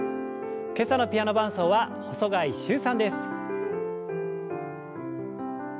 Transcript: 今朝のピアノ伴奏は細貝柊さんです。